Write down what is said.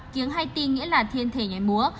kiếng hay tin nghĩa là thiên thể nhảy múa